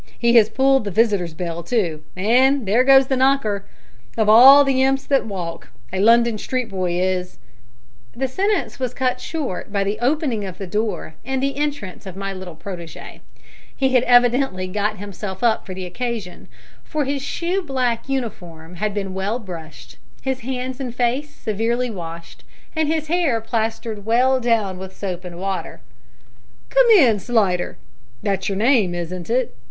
He has pulled the visitor's bell, too, and there goes the knocker! Of all the imps that walk, a London street boy is " The sentence was cut short by the opening of the door and the entrance of my little protege. He had evidently got himself up for the occasion, for his shoeblack uniform had been well brushed, his hands and face severely washed, and his hair plastered well down with soap and water. "Come in, Slidder that's your name, isn't it?"